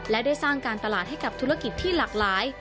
และได้สร้างการตลาดให้กับธุรกิจที่หลากหลาย